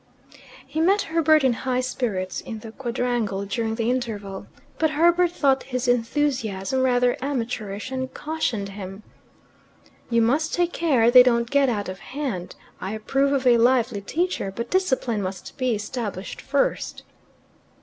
He met Herbert in high spirits in the quadrangle during the interval. But Herbert thought his enthusiasm rather amateurish, and cautioned him. "You must take care they don't get out of hand. I approve of a lively teacher, but discipline must be established first."